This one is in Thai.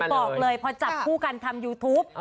บอกเลยพอจับคู่กันทำยูทูป